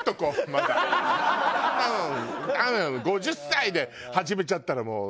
５０歳で始めちゃったらもう。